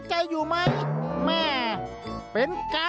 เกิดไม่ทันอ่ะ